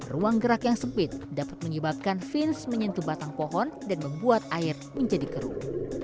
ruang gerak yang sempit dapat menyebabkan fins menyentuh batang pohon dan membuat air menjadi keruh